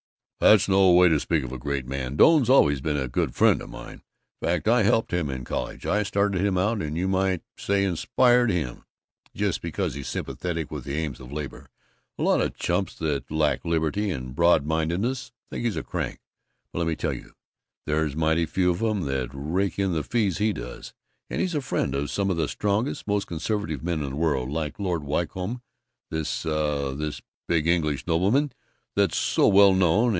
"That's no way to speak of a great man! Doane's always been a good friend of mine fact I helped him in college I started him out and you might say inspired him. Just because he's sympathetic with the aims of Labor, a lot of chumps that lack liberality and broad mindedness think he's a crank, but let me tell you there's mighty few of 'em that rake in the fees he does, and he's a friend of some of the strongest, most conservative men in the world like Lord Wycombe, this, uh, this big English nobleman that's so well known.